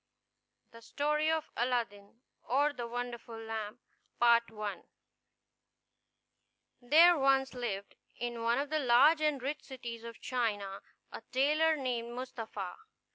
THE STORY OF ALADDIN; OR THE WONDERFUL LAMP There once lived, in one of the large and rich cities of China, a tailor, named Mustapha.